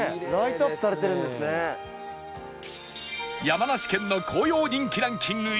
山梨県の紅葉人気ランキング